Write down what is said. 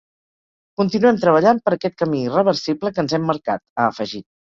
Continuem treballant per aquest camí irreversible que ens hem marcat, ha afegit.